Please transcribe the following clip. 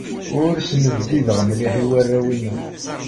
Ur asen-bdideɣ mliḥ i warraw-inu.